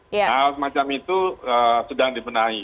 hal semacam itu sedang dibenahi